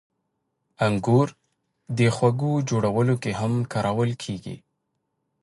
• انګور د خوږو جوړولو کې هم کارول کېږي.